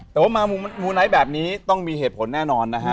แต่ว่ามามูไนท์แบบนี้ต้องมีเหตุผลแน่นอนนะฮะ